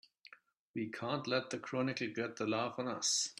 We can't let the Chronicle get the laugh on us!